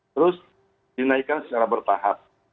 terus dinaikkan secara bertahap